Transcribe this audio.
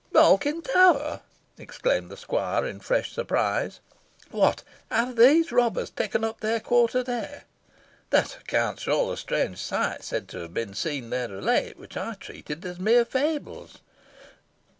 "Malkin Tower!" exclaimed the squire, in fresh surprise. "What, have these robbers taken up their quarters there? This accounts for all the strange sights said to have been seen there of late, and which I treated as mere fables.